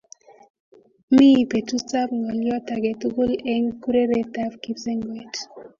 Mi peetuutap ng'olyoot age tugul eng' kururetap kipsengwet.